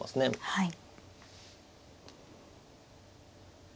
はい。